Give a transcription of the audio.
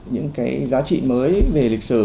những cái giá trị mới về lịch sử